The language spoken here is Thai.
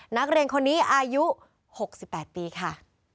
นักเรียนคนนี้อายุ๖๘ปีค่ะ